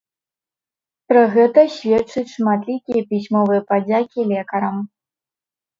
Пра гэта сведчаць шматлікія пісьмовыя падзякі лекарам.